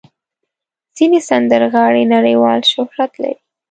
ځینې سندرغاړي نړیوال شهرت لري.